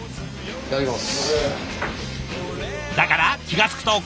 いただきます！